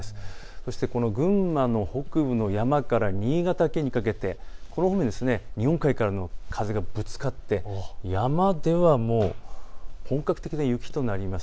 そしてこの群馬の北部の山から新潟県にかけて日本海からの風がぶつかって山ではもう本格的な雪となります。